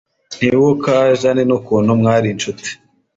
Ntiwibuka Jeanienukuntu mwari incuti